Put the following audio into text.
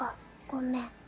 ごめん。